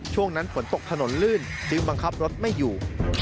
ช่วงนั้นฝนตกถนนลื่นจึงบังคับรถไม่อยู่